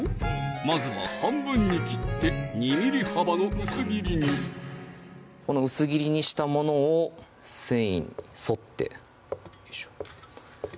まずは半分に切って２ｍｍ幅の薄切りにこの薄切りにしたものを繊維に沿ってよいしょ